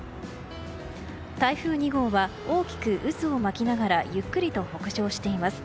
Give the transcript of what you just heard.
台風２号は大きく渦を巻きながらゆっくりと北上しています。